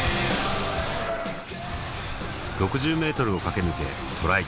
６０ｍを駆け抜けトライ